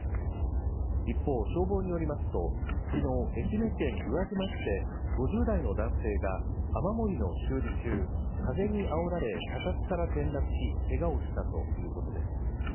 一方、消防によりますと、きのう、愛媛県宇和島市で５０代の男性が雨漏りの修理中、風にあおられ、脚立から転落し、けがをしたということです。